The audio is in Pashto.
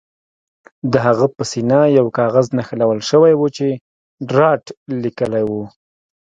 د هغه په سینه یو کاغذ نښلول شوی و چې ډارت لیکلي وو